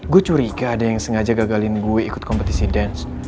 gue curiga ada yang sengaja gagalin gue ikut kompetisi dance